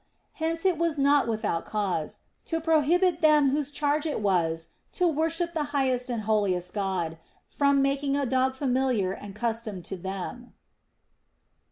Hence it was not without cause, to prohibit them whose charge it was to worship the highest and holiest God from making a dog familiar and customed to them.